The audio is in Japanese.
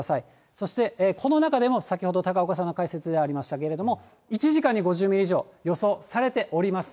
そしてこの中でも先ほど高岡さんの解説でありましたけれども、１時間に５０ミリ以上予想されております。